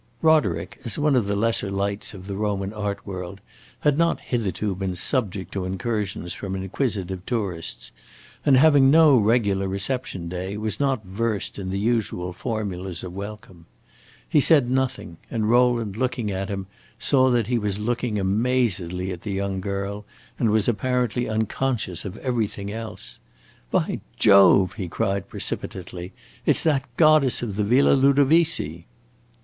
Roderick, as one of the lesser lights of the Roman art world, had not hitherto been subject to incursions from inquisitive tourists, and, having no regular reception day, was not versed in the usual formulas of welcome. He said nothing, and Rowland, looking at him, saw that he was looking amazedly at the young girl and was apparently unconscious of everything else. "By Jove!" he cried precipitately, "it 's that goddess of the Villa Ludovisi!"